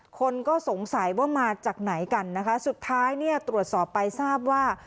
คนก็สงสัยว่ามาจากไหนกันนะคะสุดท้ายเนี่ยตรวจสอบไปทราบว่า